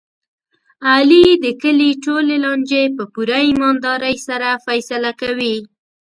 علي د کلي ټولې لانجې په پوره ایماندارۍ سره فیصله کوي.